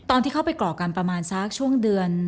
ตอนที่เข้าไปก่อกันประมาณสักช่วงเดือน